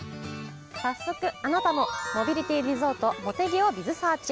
早速あなたもモビリティリゾートもてぎをｂｉｚｓｅａｒｃｈ。